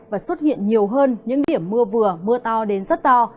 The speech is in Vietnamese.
và xuất hiện nhiều hơn những điểm mưa vừa mưa to đến rất to